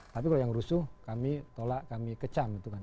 tapi kalau yang rusuh kami tolak kami kecam itu kan